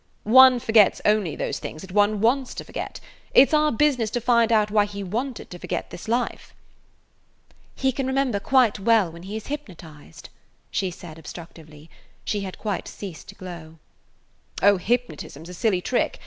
[Page 162] "One forgets only those things that one wants to forget. It 's our business to find out why he wanted to forget this life." "He can remember quite well when he is hypnotized," she said obstructively. She had quite ceased to glow. "Oh, hypnotism 's a silly trick.